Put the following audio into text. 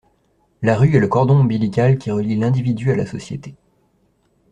La rue est le cordon ombilical qui relie l’individu à la société.